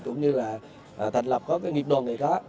cũng như là thành lập nghiệp đồn nghệ giá